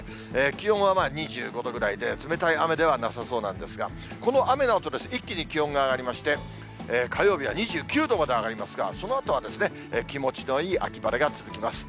気温は２５度ぐらいで、冷たい雨ではなさそうなんですが、この雨のあとです、一気に気温が上がりまして、火曜日は２９度まで上がりますが、そのあとは気持ちのいい秋晴れが続きます。